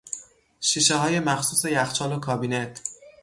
شیشه های مخصوص یخچال و کابینت